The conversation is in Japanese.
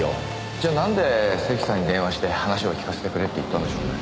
じゃあなんで関さんに電話して話を聞かせてくれって言ったんでしょうね。